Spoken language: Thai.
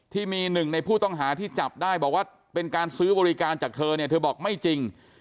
ที่มีหนึ่งในผู้ต้องหาที่จับได้บอกว่าเป็นการซื้อบริการจากเธอเนี่ยเธอบอกไม่จริง